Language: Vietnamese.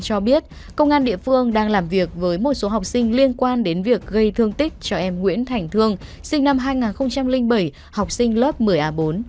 cho biết công an địa phương đang làm việc với một số học sinh liên quan đến việc gây thương tích cho em nguyễn thành thương sinh năm hai nghìn bảy học sinh lớp một mươi a bốn